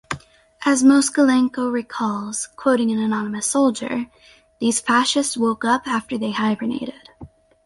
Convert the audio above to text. As Moskalenko recalls, quoting an anonymous soldier, "these fascists woke up after they hibernated".